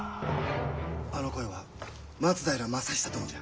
あの声は松平昌久殿じゃ。